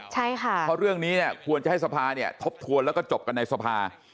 เพราะเรื่องนี้ควรจะให้สภาพทบทวนแล้วก็จบกันในสภาพ